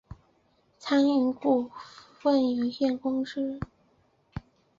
餐饮股份有限公司